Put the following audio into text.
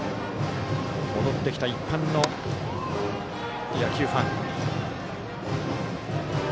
戻ってきた一般の野球ファン。